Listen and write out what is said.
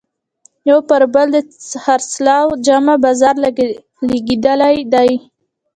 یو پر بل د خرڅلاو جمعه بازار لګېدلی دی.